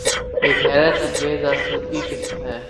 ایک حیرت انگیز آسودگی قسم ہے۔